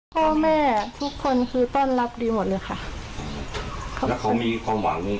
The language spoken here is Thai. พ่อแม่ทุกคนคือต้อนรับดีหมดเลยค่ะครับแล้วเขามีความหวัง